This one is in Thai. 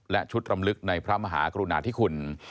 และชุดรำลึกในพระมหากรุณาธิคุณ